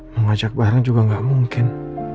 mau ngajak barang juga gak mungkin